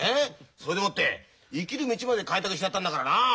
それでもって生きる道まで開拓してやったんだからなあ。